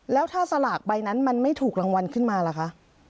แล้วถ้าสลากใบนั้นมันไม่ถูกรางวัลขึ้นมาล่ะคะ